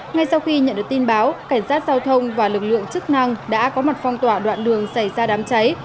ngay sau khi nhận được tin báo cảnh sát giao thông và lực lượng chức năng đã có mặt phong tỏa đoạn đường xảy ra đám cháy